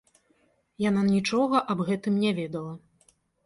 Яна нічога аб гэтым не ведала.